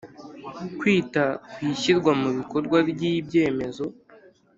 Kwita ku ishyirwa mu bikorwa ry ibyemezo